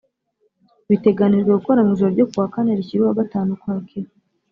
biteganijwe gukorwa mu ijoro ryo ku wa kane rishyira uwa gatanu ukwakira